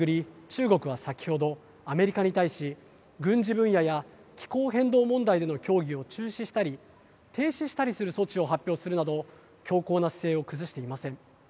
中国は先ほど、アメリカに対し軍事分野や気候変動問題での協議を中止したり、停止したりする措置を発表するなど強硬な姿勢を崩していません。